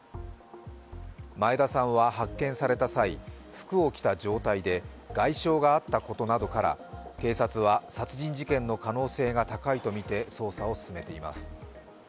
前田さんは発見された際、服を着た状態で外傷があったことなどから警察は殺人事件の可能性が高いとみて捜査を進めています。